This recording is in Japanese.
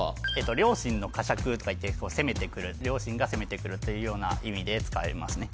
「良心の呵責」とかいって責めてくる良心が責めてくるというような意味で使われますね